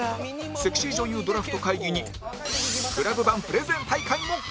セクシー女優ドラフト会議に ＣＬＵＢ 版プレゼン大会も